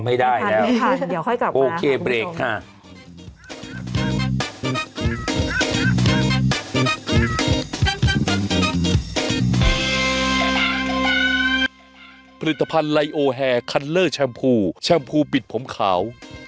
เดี๋ยวค่อยกลับมาครับคุณผู้ชมโอเคเบรกค่ะ